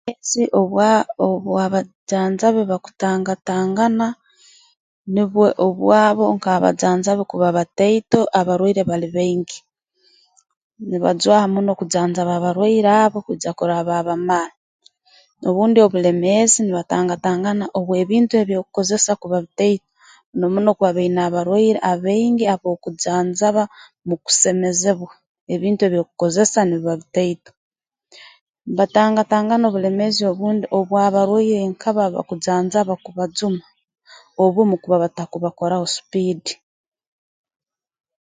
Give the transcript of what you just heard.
obulemeezi obwa obw'abajanjabi bakutangatangana nubwe obwabo nk'abajanjabi kuba bataito abarwaire bali baingi nibajwaha muno kujanjaba abarwaire abo kwija kurora baabamara obundi obulemeezi nibatangatangana obw'ebintu ebi okukozesa kuba bitaito muno muno kuba baine abarwaire abaingi ab'okujanjaba mu kusemezebwa ebintu eby'okukozesa nibiba bitaito batangatangana obulemeezi obundi obw'abarwaire nka bo abakujanjaba kubajuma obumu kuba batakubakoraho supiidi